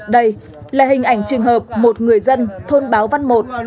đây là hình ảnh trường hợp một người dân thôn báo văn một